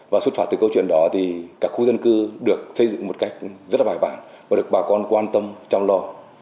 và xuất phát từ câu chuyện đó thì các khu dân cư được xây dựng một cách rất là bài bản và được bà con quan tâm trong lo